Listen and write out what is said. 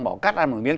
bảo cắt ăn một miếng